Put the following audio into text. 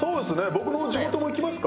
僕の地元も行きますか？